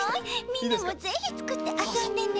みんなもぜひつくってあそんでね。